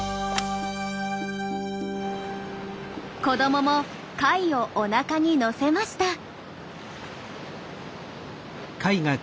子どもも貝をおなかにのせました。